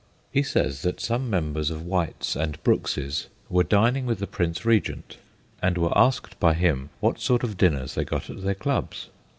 He says that some members of White's and Brooks's were dining with the Prince Regent, and were 42 THE GHOSTS OF PICCADILLY asked by him what sort of dinners they got at their clubs.